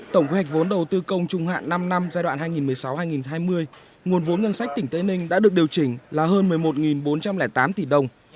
tổng kế hoạch vốn đầu tư công trung hạn năm năm giai đoạn hai nghìn một mươi sáu hai nghìn hai mươi nguồn vốn ngân sách tỉnh tây ninh đã được điều chỉnh là hơn một mươi một bốn trăm linh tám tỷ đồng